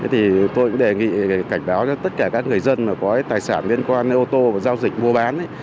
thì tôi cũng đề nghị cảnh báo cho tất cả các người dân có tài sản liên quan đến ô tô và giao dịch mua bán